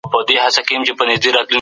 د ژورېدو مخه باید ونیول سي.